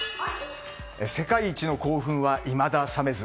世界一の興奮はいまだ冷めず。